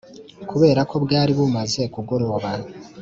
kubera ko bwari bumaze kugoroba